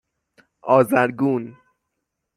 آذرگون